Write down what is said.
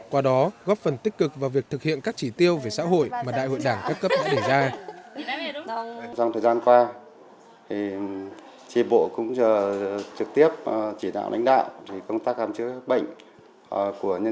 qua đó góp phần tích cực vào việc thực hiện các chỉ tiêu về xã hội mà đại hội đảng các cấp đã đề ra